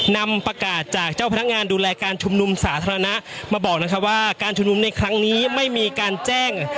นำประกาศจากเจ้าพนักงานดูแลการชุมนุมสาธารณะมาบอกนะคะว่าการชุมนุมในครั้งนี้ไม่มีการแจ้ง